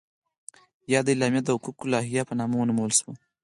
یاده اعلامیه د حقوقو لایحه په نامه ونومول شوه.